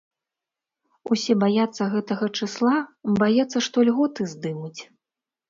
Усе баяцца гэтага чысла, баяцца, што льготы здымуць.